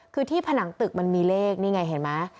คือที่ผนังตึกมันมีเลขนี่ไงเห็นไหม